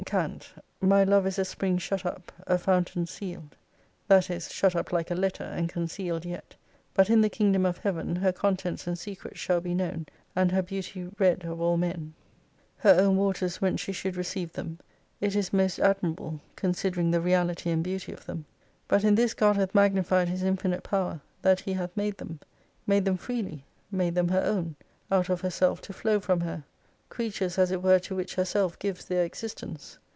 Cant. : My love is a spring shut up, a fountain sealed. That is, shut up like a letter, and concealed yet : but in the Kingdom of Heaven, her contents and secrets shall be known, and her beauty read of all men. Her own waters whence she should receive them : it is most admirable, considering the reality and beauty of them. But in this God hath magnified His infinite power, that He hath made them. Made them freely, made them her own, out of herself to flow from her : creatures as it were to which herself gives their existence.